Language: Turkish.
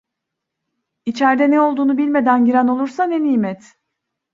İçerde ne olduğunu bilmeden giren olursa ne nimet…